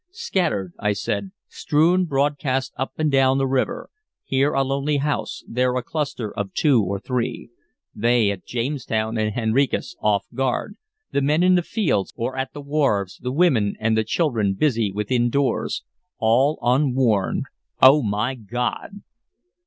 "Scattered," I said, "strewn broadcast up and down the river, here a lonely house, there a cluster of two or three; they at Jamestown and Henricus off guard, the men in the fields or at the wharves, the women and the children busy within doors, all unwarned O my God!"